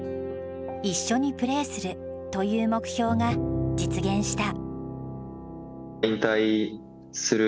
一緒にプレーするという目標が実現した。